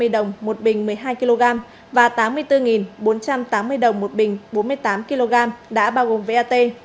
hai mươi đồng một bình một mươi hai kg và tám mươi bốn bốn trăm tám mươi đồng một bình bốn mươi tám kg đã bao gồm vat